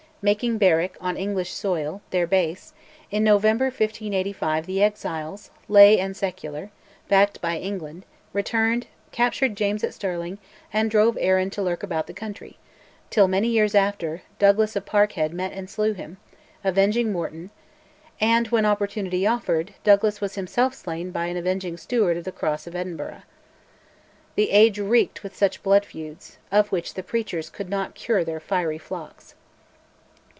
Making Berwick, on English soil, their base, in November 1585 the exiles, lay and secular, backed by England, returned, captured James at Stirling, and drove Arran to lurk about the country, till, many years after, Douglas of Parkhead met and slew him, avenging Morton; and, when opportunity offered, Douglas was himself slain by an avenging Stewart at the Cross of Edinburgh. The age reeked with such blood feuds, of which the preachers could not cure their fiery flocks.